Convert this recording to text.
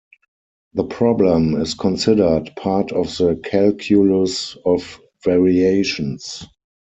The problem is considered part of the calculus of variations.